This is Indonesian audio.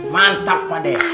mantap pak de